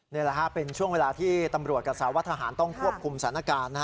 นี่แหละฮะเป็นช่วงเวลาที่ตำรวจกับสาวัตทหารต้องควบคุมสถานการณ์